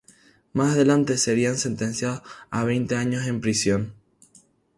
Más adelante sería sentenciado a veinte años en prisión.